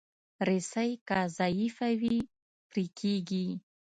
رسۍ که ضعیفه وي، پرې کېږي.